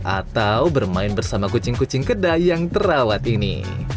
atau bermain bersama kucing kucing kedai yang terawat ini